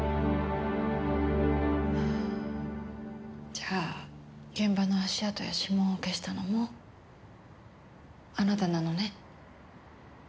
じゃあ現場の足跡や指紋を消したのもあなたなのね？